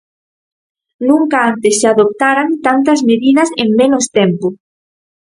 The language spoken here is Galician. Nunca antes se adoptaran tantas medidas en menos tempo.